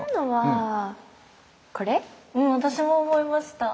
うん私も思いました！